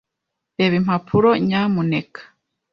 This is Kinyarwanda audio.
Reba impapuro, nyamuneka.